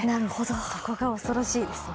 そこが恐ろしいですね。